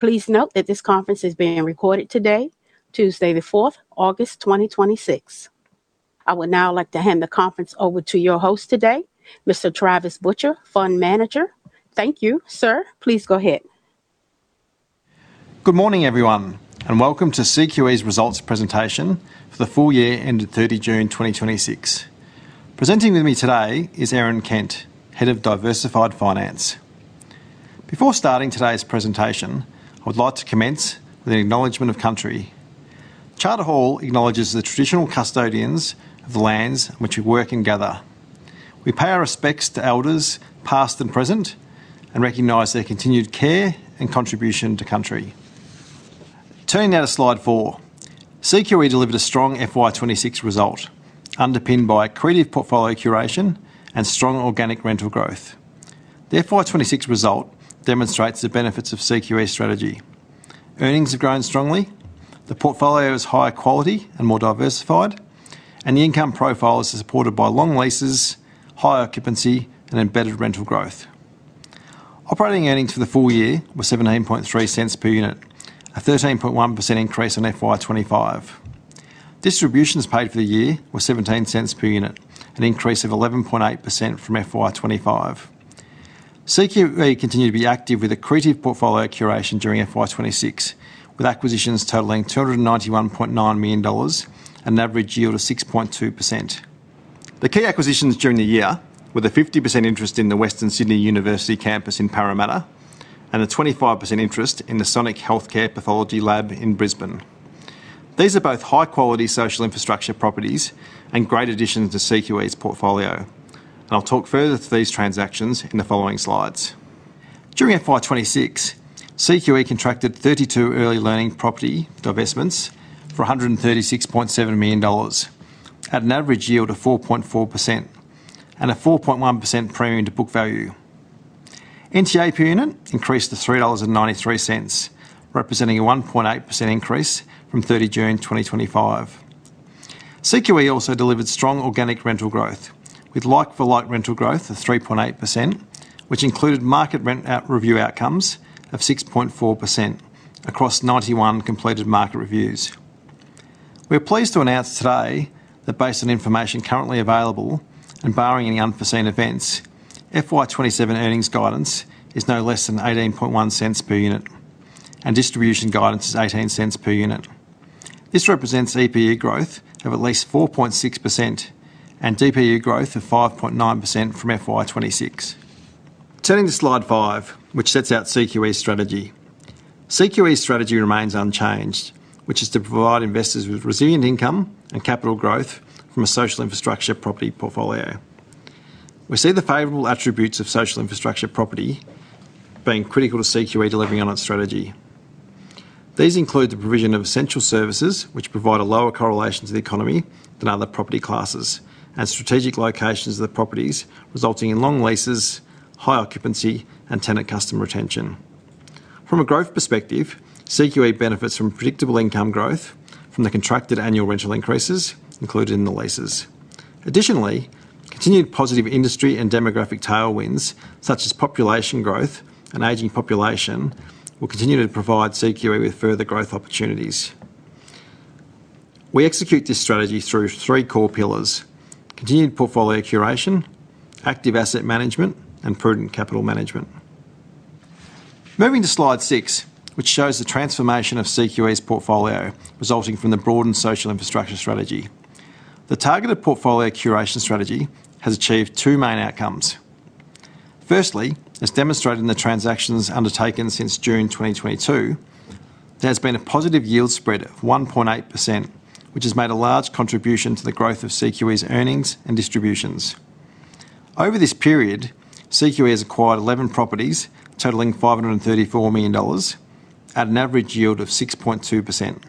Please note that this conference is being recorded today, Tuesday, August 4th, 2026. I would now like to hand the conference over to your host today, Mr. Travis Butcher, Fund Manager. Thank you, sir. Please go ahead. Good morning, everyone, welcome to CQE's results presentation for the full year ended June 30, 2026. Presenting with me today is Erin Kent, Head of Diversified Finance. Before starting today's presentation, I would like to commence with an acknowledgement of country. Charter Hall acknowledges the traditional custodians of the lands on which we work and gather. We pay our respects to elders, past and present, recognize their continued care and contribution to country. Turning now to slide four. CQE delivered a strong FY 2026 result underpinned by accretive portfolio curation and strong organic rental growth. The FY 2026 result demonstrates the benefits of CQE's strategy. Earnings have grown strongly, the portfolio is higher quality and more diversified, the income profile is supported by long leases, high occupancy, and embedded rental growth. Operating earnings for the full year were 0.173 per unit, a 13.1% increase on FY 2025. Distributions paid for the year were 0.17 per unit, an increase of 11.8% from FY 2025. CQE continued to be active with accretive portfolio curation during FY 2026, with acquisitions totaling 291.9 million dollars, an average yield of 6.2%. The key acquisitions during the year were the 50% interest in the Western Sydney University campus in Parramatta and a 25% interest in the Sonic Healthcare pathology lab in Brisbane. These are both high-quality social infrastructure properties great additions to CQE's portfolio, I'll talk further to these transactions in the following slides. During FY 2026, CQE contracted 32 early learning property divestments for 136.7 million dollars at an average yield of 4.4% and a 4.1% premium to book value. NTA per unit increased to 3.93 dollars, representing a 1.8% increase from June 30, 2025. CQE also delivered strong organic rental growth with like-for-like rental growth of 3.8%, which included market rent out review outcomes of 6.4% across 91 completed market reviews. We are pleased to announce today that based on information currently available barring any unforeseen events, FY 2027 earnings guidance is no less than 0.181 per unit, distribution guidance is 0.18 per unit. This represents EPU growth of at least 4.6% and DPU growth of 5.9% from FY 2026. Turning to slide five, which sets out CQE's strategy. CQE's strategy remains unchanged, which is to provide investors with resilient income and capital growth from a social infrastructure property portfolio. We see the favorable attributes of social infrastructure property being critical to CQE delivering on its strategy. These include the provision of essential services, which provide a lower correlation to the economy than other property classes, and strategic locations of the properties resulting in long leases, high occupancy, and tenant customer retention. From a growth perspective, CQE benefits from predictable income growth from the contracted annual rental increases included in the leases. Additionally, continued positive industry and demographic tailwinds such as population growth and aging population will continue to provide CQE with further growth opportunities. We execute this strategy through three core pillars: continued portfolio curation, active asset management, and prudent capital management. Moving to slide six, which shows the transformation of CQE's portfolio resulting from the broadened social infrastructure strategy. The targeted portfolio curation strategy has achieved two main outcomes. Firstly, as demonstrated in the transactions undertaken since June 2022, there has been a positive yield spread of 1.8%, which has made a large contribution to the growth of CQE's earnings and distributions. Over this period, CQE has acquired 11 properties totaling 534 million dollars at an average yield of 6.2%.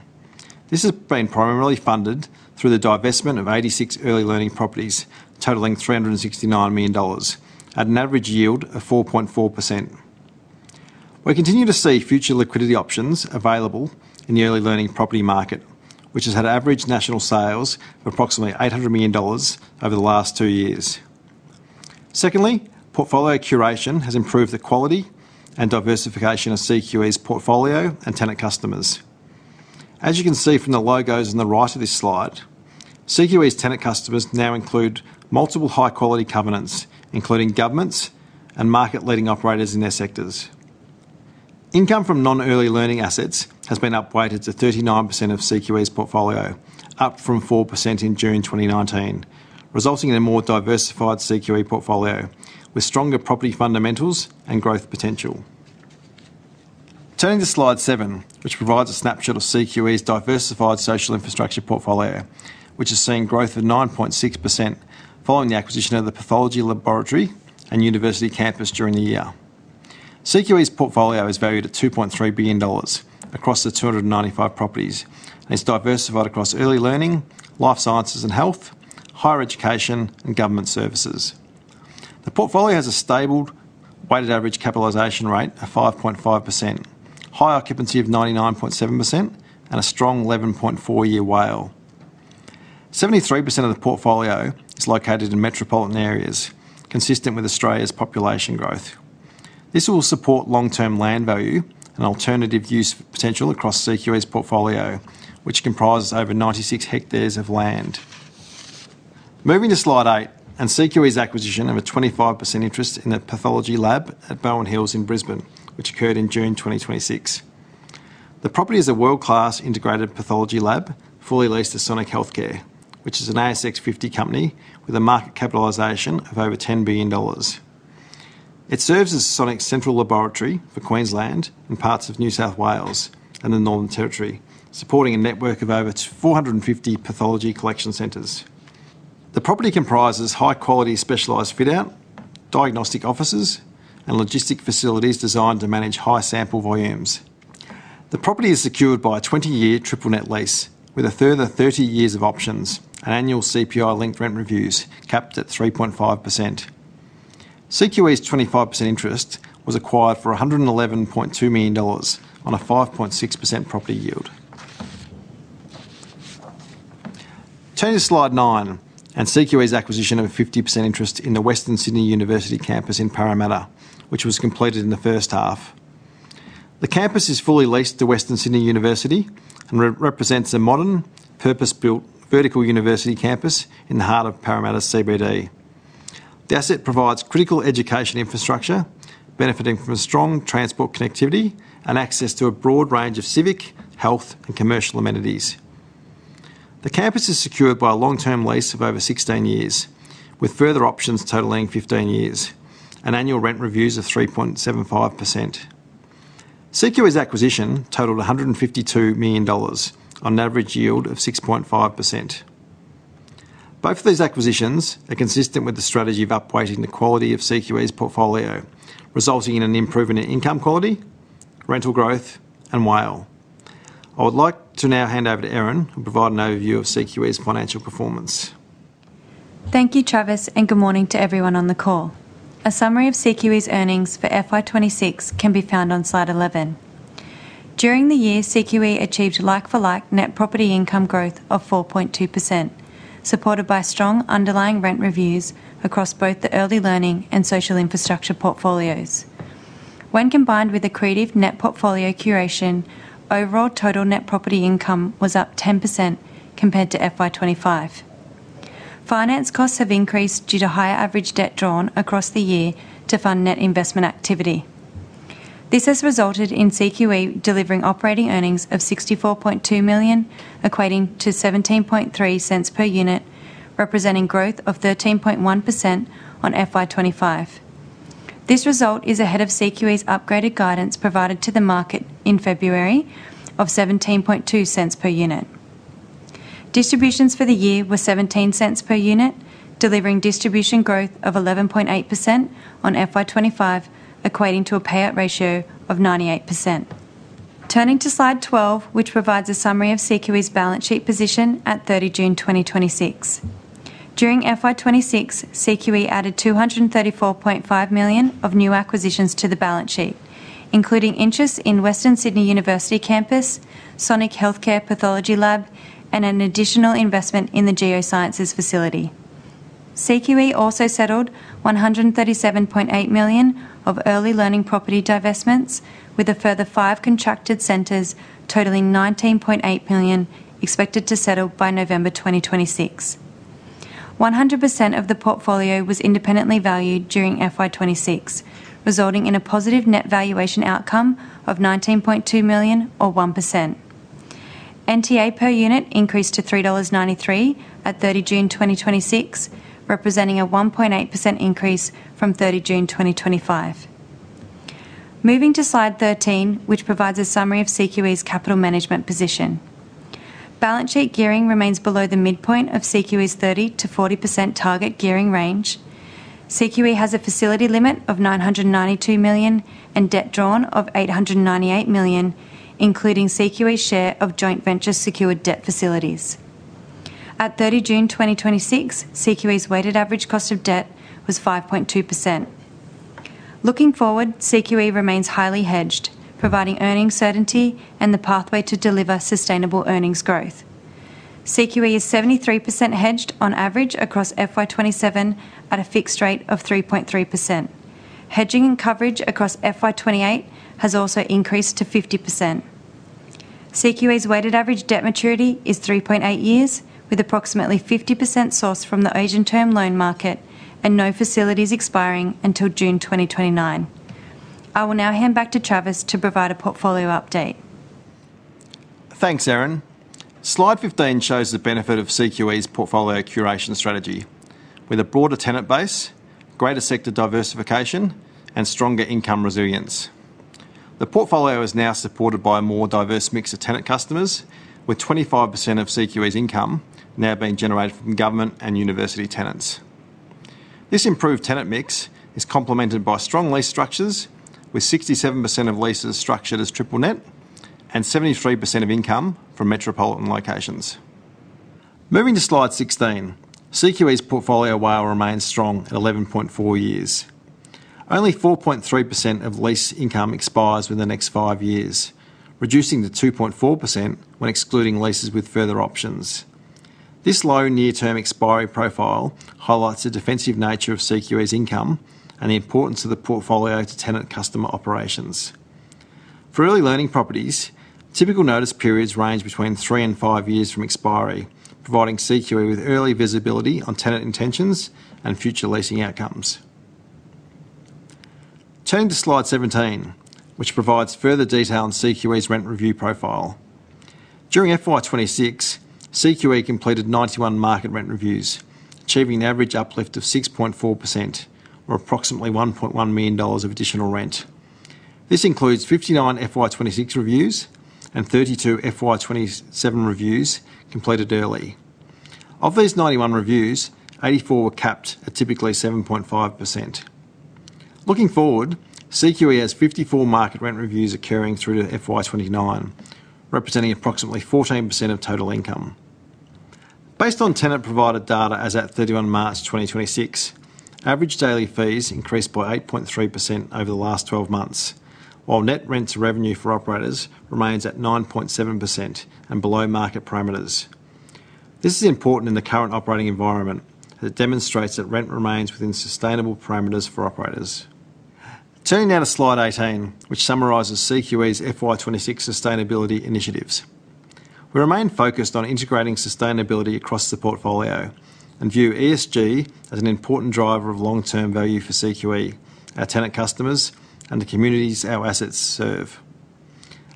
This has been primarily funded through the divestment of 86 early learning properties totaling 369 million dollars at an average yield of 4.4%. We continue to see future liquidity options available in the early learning property market, which has had average national sales of approximately 800 million dollars over the last two years. Secondly, portfolio curation has improved the quality and diversification of CQE's portfolio and tenant customers. As you can see from the logos on the right of this slide, CQE's tenant customers now include multiple high-quality covenants, including governments and market leading operators in their sectors. Income from non-early learning assets has been upweighted to 39% of CQE's portfolio, up from 4% in June 2019, resulting in a more diversified CQE portfolio with stronger property fundamentals and growth potential. Turning to slide seven, which provides a snapshot of CQE's diversified social infrastructure portfolio, which has seen growth of 9.6% following the acquisition of the pathology laboratory and university campus during the year. CQE's portfolio is valued at 2.3 billion dollars across the 295 properties, and it is diversified across early learning, life sciences and health, higher education, and government services. The portfolio has a stable weighted average capitalization rate of 5.5%, high occupancy of 99.7%, and a strong 11.4 year WALE. 73% of the portfolio is located in metropolitan areas, consistent with Australia's population growth. This will support long-term land value and alternative use potential across CQE's portfolio, which comprises over 96 ha of land Moving to slide eight and CQE's acquisition of a 25% interest in the pathology lab at Bowen Hills in Brisbane, which occurred in June 2026. The property is a world-class integrated pathology lab, fully leased to Sonic Healthcare, which is an ASX 50 company with a market capitalization of over 10 billion dollars. It serves as Sonic's central laboratory for Queensland and parts of New South Wales and the Northern Territory, supporting a network of over 450 pathology collection centers. The property comprises high-quality specialized fit-out, diagnostic offices, and logistic facilities designed to manage high sample volumes. The property is secured by a 20-year triple net lease with a further 30 years of options and annual CPI-linked rent reviews capped at 3.5%. CQE's 25% interest was acquired for 111.2 million dollars on a 5.6% property yield. Turn to slide nine and CQE's acquisition of a 50% interest in the Western Sydney University campus in Parramatta, which was completed in the first half. The campus is fully leased to Western Sydney University and represents a modern, purpose-built vertical university campus in the heart of Parramatta CBD. The asset provides critical education infrastructure, benefiting from strong transport connectivity and access to a broad range of civic, health, and commercial amenities. The campus is secured by a long-term lease of over 16 years, with further options totaling 15 years and annual rent reviews of 3.75%. CQE's acquisition totaled 152 million dollars on an average yield of 6.5%. Both of these acquisitions are consistent with the strategy of up-weighting the quality of CQE's portfolio, resulting in an improvement in income quality, rental growth, and WALE. I would like to now hand over to Erin, who will provide an overview of CQE's financial performance. Thank you, Travis, and good morning to everyone on the call. A summary of CQE's earnings for FY 2026 can be found on slide 11. During the year, CQE achieved like-for-like net property income growth of 4.2%, supported by strong underlying rent reviews across both the early learning and social infrastructure portfolios. When combined with accretive net portfolio curation, overall total net property income was up 10% compared to FY 2025. Finance costs have increased due to higher average debt drawn across the year to fund net investment activity. This has resulted in CQE delivering operating earnings of 64.2 million, equating to 0.173 per unit, representing growth of 13.1% on FY 2025. This result is ahead of CQE's upgraded guidance provided to the market in February of 0.172 per unit. Distributions for the year were 0.17 per unit, delivering distribution growth of 11.8% on FY 2025, equating to a payout ratio of 98%. Turning to slide 12, which provides a summary of CQE's balance sheet position at June 30, 2026. During FY 2026, CQE added 234.5 million of new acquisitions to the balance sheet, including interests in Western Sydney University campus, Sonic Healthcare pathology lab, and an additional investment in the geosciences facility. CQE also settled 137.8 million of early learning property divestments with a further five contracted centers totaling 19.8 million, expected to settle by November 2026. 100% of the portfolio was independently valued during FY 2026, resulting in a positive net valuation outcome of 19.2 million, or 1%. NTA per unit increased to 3.93 dollars at June 30, 2026, representing a 1.8% increase from June 30, 2025. Moving to slide 13, which provides a summary of CQE's capital management position. Balance sheet gearing remains below the midpoint of CQE's 30%-40% target gearing range. CQE has a facility limit of 992 million and debt drawn of 898 million, including CQE's share of joint venture secured debt facilities. At June 30, 2026, CQE's weighted average cost of debt was 5.2%. Looking forward, CQE remains highly hedged, providing earnings certainty and the pathway to deliver sustainable earnings growth. CQE is 73% hedged on average across FY 2027 at a fixed rate of 3.3%. Hedging and coverage across FY 2028 has also increased to 50%. CQE's weighted average debt maturity is 3.8 years, with approximately 50% sourced from the Asian term loan market and no facilities expiring until June 2029. I will now hand back to Travis to provide a portfolio update. Thanks, Erin. Slide 15 shows the benefit of CQE's portfolio curation strategy with a broader tenant base, greater sector diversification, and stronger income resilience. The portfolio is now supported by a more diverse mix of tenant customers, with 25% of CQE's income now being generated from government and university tenants. This improved tenant mix is complemented by strong lease structures, with 67% of leases structured as triple net and 73% of income from metropolitan locations. Moving to slide 16, CQE's portfolio WALE remains strong at 11.4 years. Only 4.3% of lease income expires within the next five years, reducing to 2.4% when excluding leases with further options. This low near-term expiry profile highlights the defensive nature of CQE's income and the importance of the portfolio to tenant customer operations. For early learning properties, typical notice periods range between three and five years from expiry, providing CQE with early visibility on tenant intentions and future leasing outcomes. Turning to slide 17, which provides further detail on CQE's rent review profile. During FY 2026, CQE completed 91 market rent reviews, achieving an average uplift of 6.4%, or approximately 1.1 million dollars of additional rent. This includes 59 FY 2026 reviews and 32 FY 2027 reviews completed early. Of these 91 reviews, 84 were capped at typically 7.5%. Looking forward, CQE has 54 market rent reviews occurring through to FY 2029, representing approximately 14% of total income. Based on tenant-provided data as at March 31, 2026, average daily fees increased by 8.3% over the last 12 months, while net rents revenue for operators remains at 9.7% and below market parameters. This is important in the current operating environment, that demonstrates that rent remains within sustainable parameters for operators. Turning now to slide 18, which summarizes CQE's FY 2026 sustainability initiatives. We remain focused on integrating sustainability across the portfolio and view ESG as an important driver of long-term value for CQE, our tenant customers, and the communities our assets serve.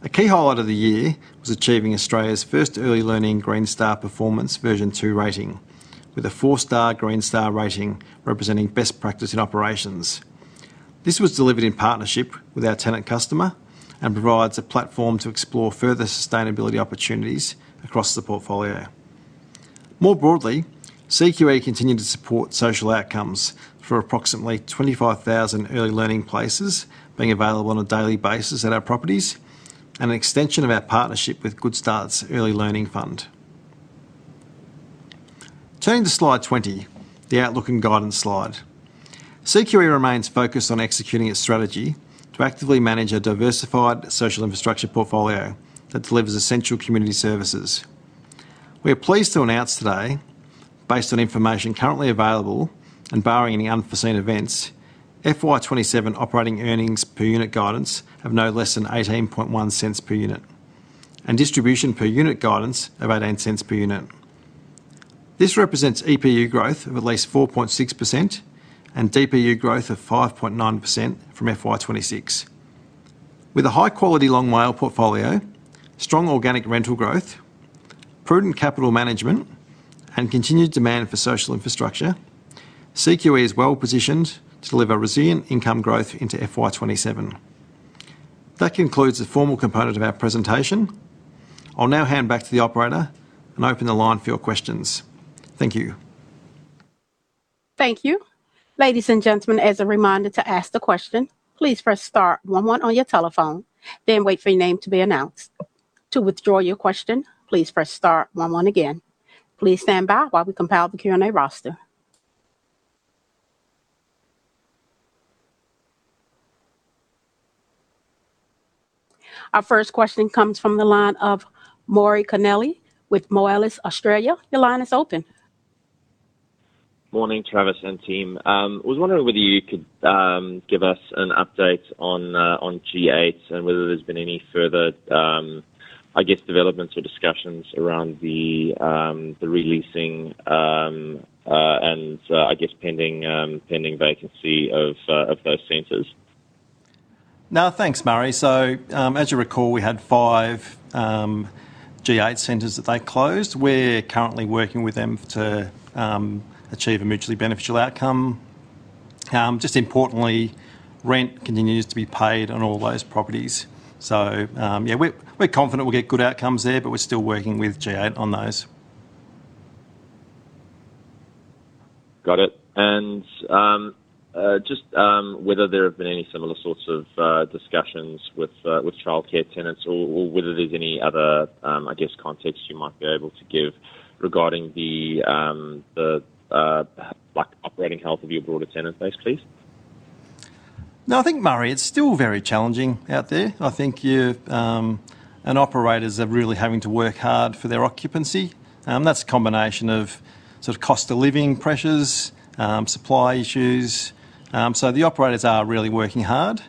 A key highlight of the year was achieving Australia's first early learning Green Star Performance v2 rating, with a four-star Green Star rating representing best practice in operations. This was delivered in partnership with our tenant customer and provides a platform to explore further sustainability opportunities across the portfolio. More broadly, CQE continued to support social outcomes for approximately 25,000 early learning places being available on a daily basis at our properties, and an extension of our partnership with Goodstart's Early Learning Fund. Turning to slide 20, the outlook and guidance slide. CQE remains focused on executing its strategy to actively manage a diversified social infrastructure portfolio that delivers essential community services. We are pleased to announce today, based on information currently available and barring any unforeseen events, FY 2027 operating earnings per unit guidance of no less than 0.181 per unit and distribution per unit guidance of 0.18 per unit. This represents EPU growth of at least 4.6% and DPU growth of 5.9% from FY 2026. With a high-quality long WALE portfolio, strong organic rental growth, prudent capital management, and continued demand for social infrastructure, CQE is well-positioned to deliver resilient income growth into FY 2027. That concludes the formal component of our presentation. I'll now hand back to the operator and open the line for your questions. Thank you. Thank you. Ladies and gentlemen, as a reminder to ask the question, please press star one one on your telephone, then wait for your name to be announced. To withdraw your question, please press star one one again. Please stand by while we compile the Q&A roster. Our first question comes from the line of Murray Connellan with Moelis Australia. Your line is open. Morning, Travis and team. I was wondering whether you could give us an update on G8 and whether there's been any further, I guess developments or discussions around the releasing, and I guess pending vacancy of those centers. Thanks, Murray. As you recall, we had five G8 centers that they closed. We're currently working with them to achieve a mutually beneficial outcome. Just importantly, rent continues to be paid on all those properties. Yeah, we're confident we'll get good outcomes there, but we're still working with G8 on those. Got it. Just whether there have been any similar sorts of discussions with childcare tenants or whether there's any other, I guess, context you might be able to give regarding the operating health of your broader tenant base, please. No. I think, Murray, it's still very challenging out there. Operators are really having to work hard for their occupancy. That's a combination of sort of cost of living pressures, supply issues. The operators are really working hard.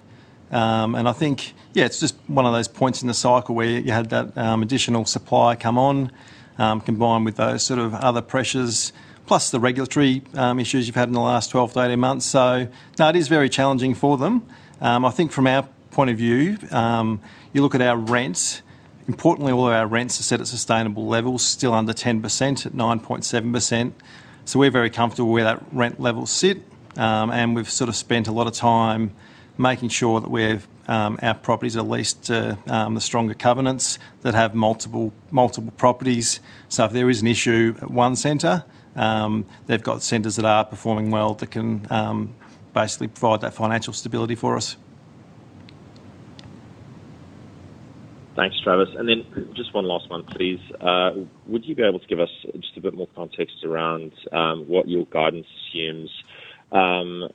I think, yeah, it's just one of those points in the cycle where you had that additional supply come on, combined with those sort of other pressures, plus the regulatory issues you've had in the last 12-18 months. No, it is very challenging for them. I think from our point of view, you look at our rents, importantly, all of our rents are set at sustainable levels, still under 10% at 9.7%. We're very comfortable where that rent levels sit. We've sort of spent a lot of time making sure that our properties are leased to the stronger covenants that have multiple properties. If there is an issue at one center, they've got centers that are performing well that can basically provide that financial stability for us. Thanks, Travis. Just one last one, please. Would you be able to give us just a bit more context around what your guidance assumes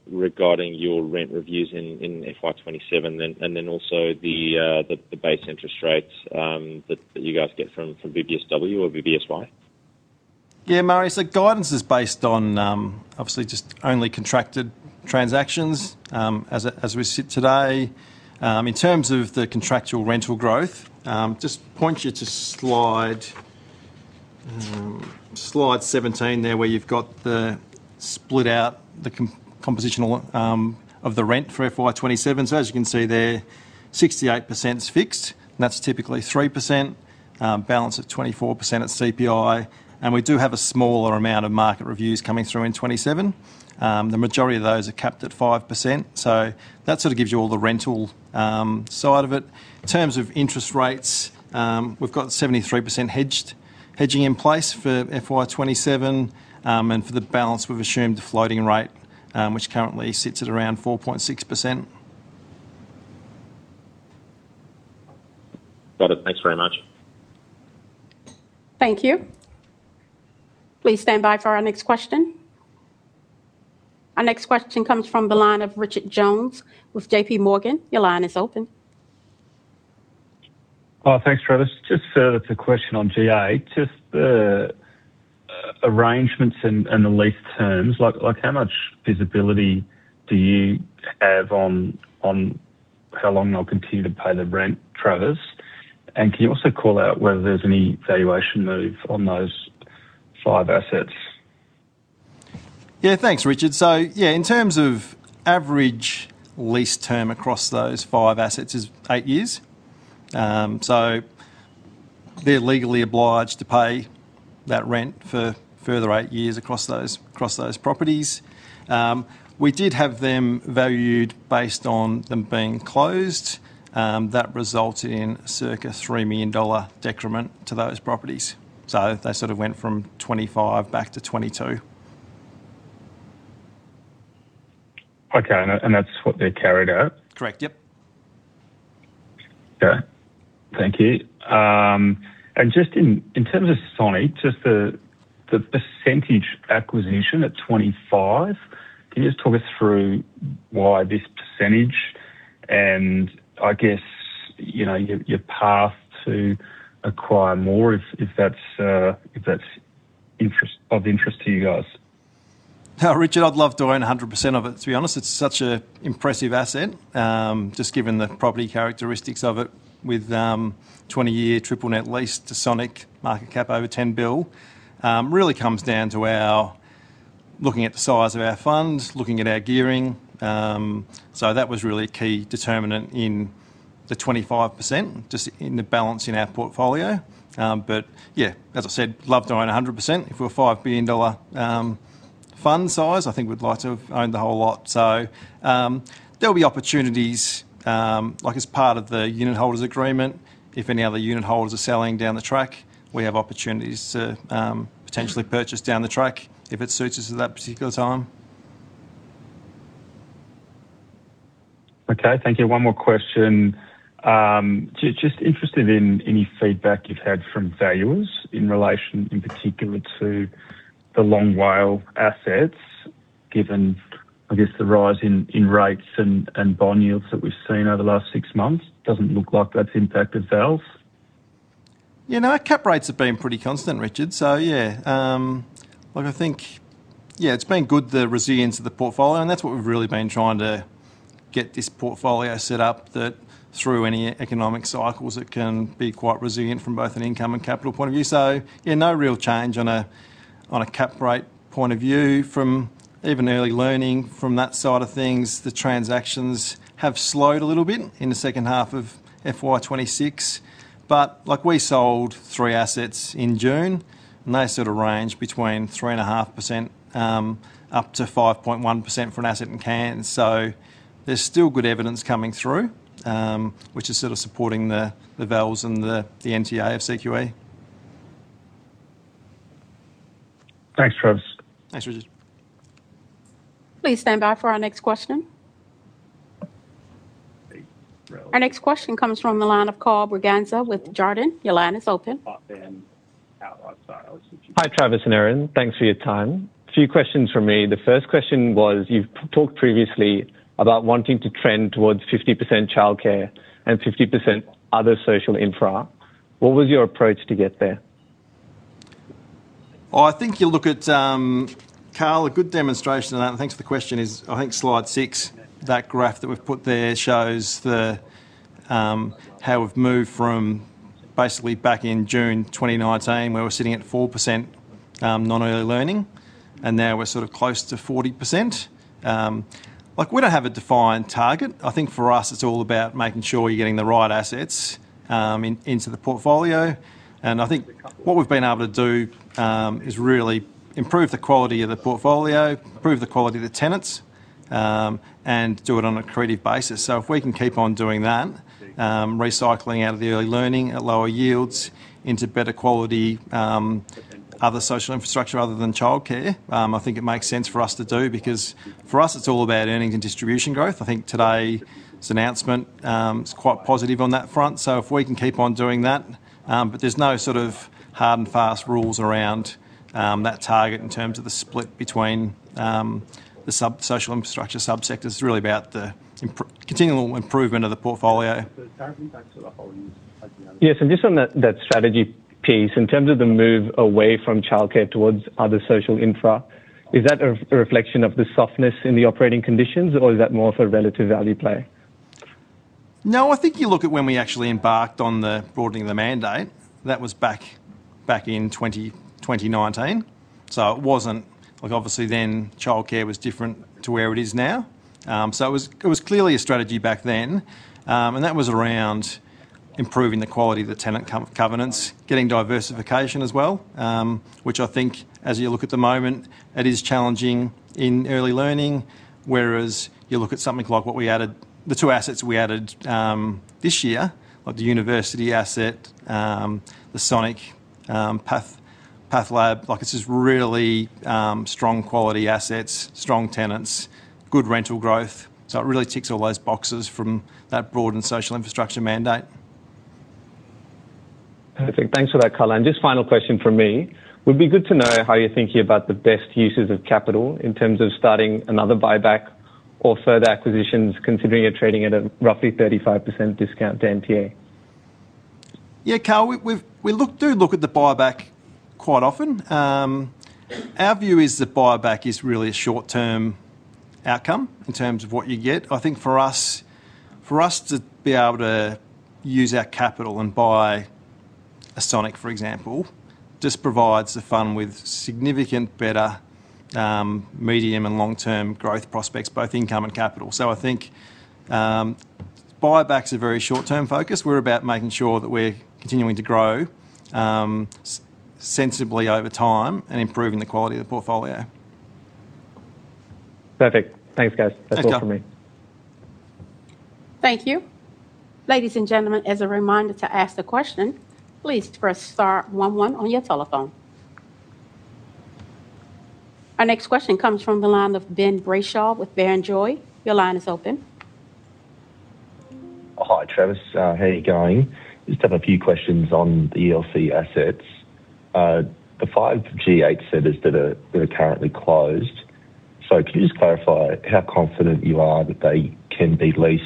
regarding your rent reviews in FY 2027 also the base interest rates that you guys get from BBSW or BBSY? Murray, guidance is based on obviously just only contracted transactions as we sit today. In terms of the contractual rental growth, just point you to slide 17 there, where you've got the split out, the composition of the rent for FY 2027. As you can see there, 68% is fixed, and that's typically 3%, balance of 24% at CPI. We do have a smaller amount of market reviews coming through in 2027. The majority of those are capped at 5%. That sort of gives you all the rental side of it. In terms of interest rates, we've got 73% hedging in place for FY 2027, for the balance, we've assumed a floating rate, which currently sits at around 4.6%. Got it. Thanks very much. Thank you. Please stand by for our next question. Our next question comes from the line of Richard Jones with JPMorgan. Your line is open. Thanks, Travis. Just further to the question on G8, just the arrangements and the lease terms, how much visibility do you have on how long they'll continue to pay the rent, Travis? Can you also call out whether there's any valuation move on those five assets? Thanks, Richard. In terms of average lease term across those five assets is eight years. They're legally obliged to pay that rent for further eight years across those properties. We did have them valued based on them being closed. That resulted in circa 3 million dollar decrement to those properties. They sort of went from 25 years back to 22 years. Okay, that's what they're carried at? Correct. Yep. Okay. Thank you. Just in terms of Sonic, just the percentage acquisition at 25%, can you just talk us through why this percentage and I guess, your path to acquire more if that's of interest to you guys? Richard, I'd love to own 100% of it, to be honest. It's such an impressive asset, just given the property characteristics of it with 20-year triple net lease to Sonic, market cap over 10 billion, really comes down to our looking at the size of our funds, looking at our gearing. That was really a key determinant in the 25%, just in the balance in our portfolio. Yeah, as I said, love to own 100%. If we're a 5 billion dollar fund size, I think we'd like to have owned the whole lot. There'll be opportunities, like as part of the unit holders agreement. If any other unit holders are selling down the track, we have opportunities to potentially purchase down the track if it suits us at that particular time. Okay, thank you. One more question. Just interested in any feedback you've had from valuers in relation, in particular to the long WALE assets, given, I guess, the rise in rates and bond yields that we've seen over the last six months. Doesn't look like that's impacted vals. Yeah, our cap rates have been pretty constant, Richard. Yeah. I think it's been good, the resilience of the portfolio, and that's what we've really been trying to get this portfolio set up that through any economic cycles, it can be quite resilient from both an income and capital point of view. Yeah, no real change on a cap rate point of view from even early learning from that side of things. The transactions have slowed a little bit in the second half of FY 2026. We sold three assets in June, and they sort of range between 3.5% up to 5.1% for an asset in Cairns. There's still good evidence coming through, which is sort of supporting the vals and the NTA of CQE. Thanks, Travis. Thanks, Richard. Please stand by for our next question. Our next question comes from the line of Carl Braganza with Jarden. Your line is open. Hi, Travis and Erin. Thanks for your time. A few questions from me. The first question was, you've talked previously about wanting to trend towards 50% childcare and 50% other social infra. What was your approach to get there? I think you look at, Carl, a good demonstration of that, and thanks for the question, is I think slide six. That graph that we've put there shows how we've moved from basically back in June 2019, where we're sitting at 4% non-early learning, and now we're sort of close to 40%. We don't have a defined target. I think for us, it's all about making sure you're getting the right assets into the portfolio. I think what we've been able to do, is really improve the quality of the portfolio, improve the quality of the tenants, and do it on an accretive basis. If we can keep on doing that, recycling out of the early learning at lower yields into better quality, other social infrastructure other than childcare. I think it makes sense for us to do, because for us it's all about earnings and distribution growth. I think today's announcement is quite positive on that front. If we can keep on doing that, but there's no hard and fast rules around that target in terms of the split between the social infrastructure subsector. It's really about the continual improvement of the portfolio. Yes, just on that strategy piece, in terms of the move away from childcare towards other social infra, is that a reflection of the softness in the operating conditions or is that more of a relative value play? No, I think you look at when we actually embarked on the broadening of the mandate. That was back in 2019. Obviously then, childcare was different to where it is now. It was clearly a strategy back then, that was around improving the quality of the tenant covenants, getting diversification as well, which I think as you look at the moment, it is challenging in early learning, whereas you look at something like the two assets we added this year, like the university asset, the Sonic Path Lab, this is really strong quality assets, strong tenants, good rental growth. It really ticks all those boxes from that broadened social infrastructure mandate. Perfect. Thanks for that color. Just final question from me. Would be good to know how you're thinking about the best uses of capital in terms of starting another buyback or further acquisitions, considering you're trading at a roughly 35% discount to NTA. Yeah, Carl, we do look at the buyback quite often. Our view is that buyback is really a short-term outcome in terms of what you get. I think for us to be able to use our capital and buy a Sonic, for example, just provides the fund with significant better medium and long-term growth prospects, both income and capital. I think buyback's a very short-term focus. We're about making sure that we're continuing to grow sensibly over time and improving the quality of the portfolio. Perfect. Thanks, guys. Thanks, Carl. That's all from me. Thank you. Ladies and gentlemen, as a reminder to ask a question, please press star one one on your telephone. Our next question comes from the line of Ben Brayshaw with Barrenjoey. Your line is open. Hi, Travis. How are you going? Just have a few questions on the ELC assets. The five G8 centers that are currently closed. Can you just clarify how confident you are that they can be leased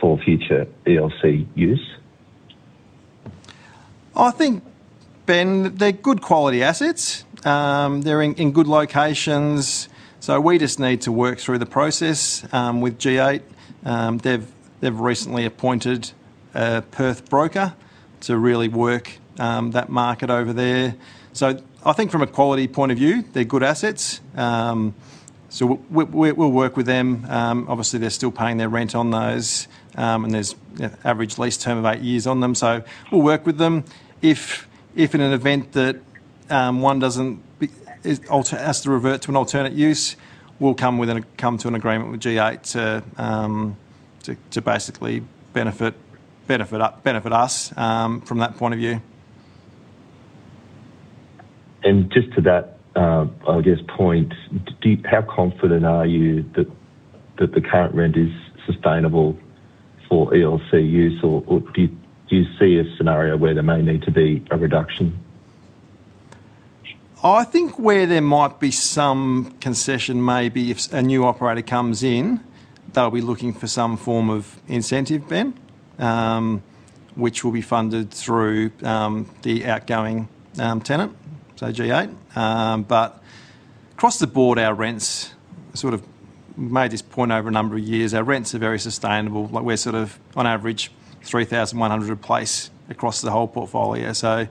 for future ELC use? I think, Ben, they're good quality assets. They're in good locations. We just need to work through the process with G8. They've recently appointed a Perth broker to really work that market over there. I think from a quality point of view, they're good assets. We'll work with them. Obviously, they're still paying their rent on those, and there's average lease term of eight years on them. We'll work with them. If in an event that one has to revert to an alternate use, we'll come to an agreement with G8 to basically benefit us from that point of view. To that, I guess, point, how confident are you that the current rent is sustainable for ELC use? Or do you see a scenario where there may need to be a reduction? I think where there might be some concession may be if a new operator comes in, they'll be looking for some form of incentive then, which will be funded through the outgoing tenant, so G8. Across the board, our rents, sort of made this point over a number of years, our rents are very sustainable. We're sort of on average 3,100 a place across the whole portfolio. Yeah,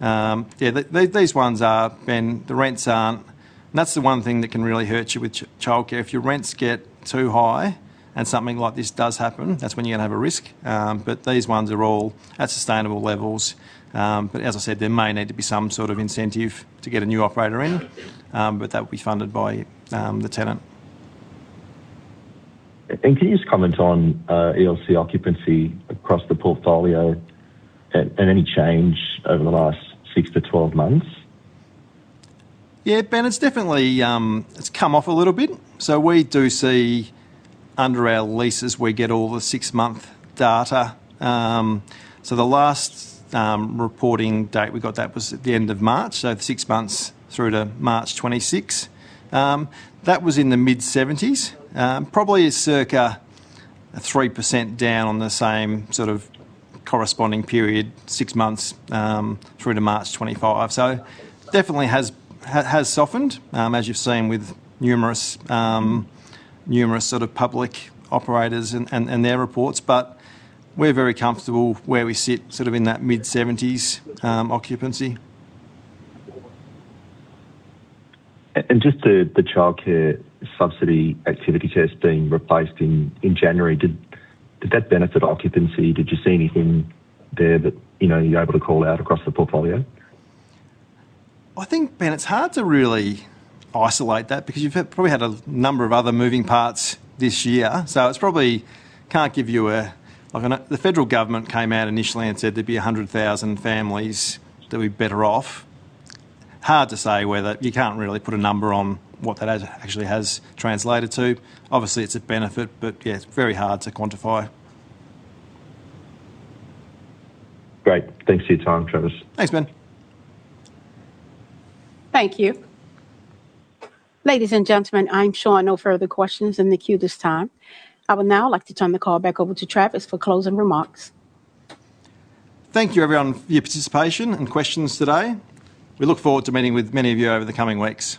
Ben, that's the one thing that can really hurt you with childcare. If your rents get too high and something like this does happen, that's when you're going to have a risk. These ones are all at sustainable levels. As I said, there may need to be some sort of incentive to get a new operator in, but that would be funded by the tenant. Can you just comment on ELC occupancy across the portfolio and any change over the last 6-12 months? Yeah, Ben, it's definitely come off a little bit. We do see under our leases, we get all the six-month data. The last reporting date we got that was at the end of March, so six months through to March 2026. That was in the mid-70s. Probably circa 3% down on the same sort of corresponding period, 6 months through to March 2025. Definitely has softened, as you've seen with numerous public operators and their reports. We're very comfortable where we sit, sort of in that mid-70s occupancy. Just the childcare subsidy activity test being replaced in January, did that benefit occupancy? Did you see anything there that you're able to call out across the portfolio? I think, Ben, it's hard to really isolate that because you've probably had a number of other moving parts this year. The federal government came out initially and said there'd be 100,000 families that'll be better off. You can't really put a number on what that actually has translated to. Obviously, it's a benefit, but yeah, it's very hard to quantify. Great. Thanks for your time, Travis. Thanks, Ben. Thank you. Ladies and gentlemen, I'm shown no further questions in the queue this time. I would now like to turn the call back over to Travis for closing remarks. Thank you, everyone, for your participation and questions today. We look forward to meeting with many of you over the coming weeks.